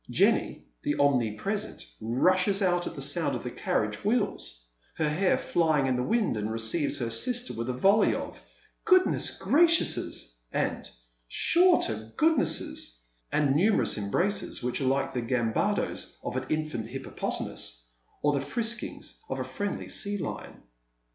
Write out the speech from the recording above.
Jenny, the omnipresent, rushes out at the sound of the carriage wheels, her hair flying in the wind, and receives her sister with a volley of " goodness graciouses," and " sure to goodnesses," and numerous embraces which are like the gambadoes of an infant hippopotamus, or the friskings of a friendly sea lion.